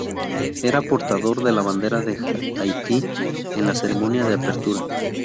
Era portador de la bandera de Haití en la ceremonia de apertura.